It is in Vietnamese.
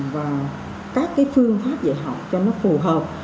và các cái phương pháp dạy học cho nó phù hợp